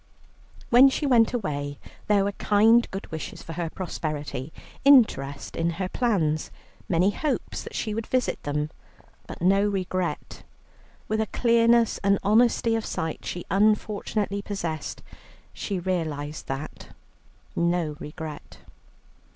When she went away, there were kind good wishes for her prosperity, interest in her plans, many hopes that she would visit them, but no regret; with a clearness and honesty of sight she unfortunately possessed she realized that no regret.